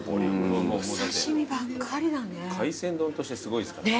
海鮮丼としてすごいですからね。